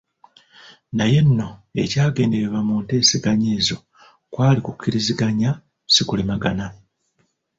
Naye nno ekyagendererwa mu nteeseganya ezo kwali kukkiriziganya si kulemagana.